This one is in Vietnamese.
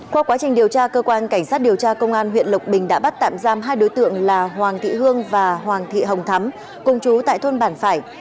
qua quá trình điều tra cơ quan cảnh sát điều tra công an huyện lộc bình đã bắt tạm giam hai đối tượng là hoàng thị hương và hoàng thị hồng thắm cùng chú tại thôn bản phải